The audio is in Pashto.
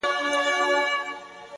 کله دي وران کړي زلزلې کله توپان وطنه -